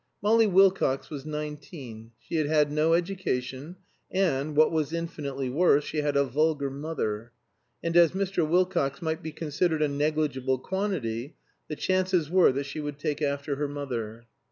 Molly Wilcox was nineteen; she had had no education, and, what was infinitely worse, she had a vulgar mother. And as Mr. Wilcox might be considered a negligible quantity, the chances were that she would take after her mother.